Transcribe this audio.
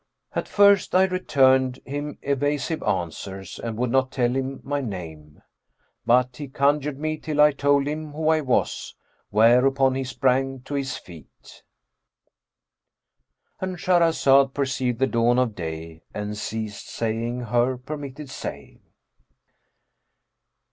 At first I returned him evasive answers and would not tell him my name; but he conjured me till I told him who I was, whereupon he sprang to his feet"—And Shahrazad perceived the dawn of day and ceased saying her permitted say.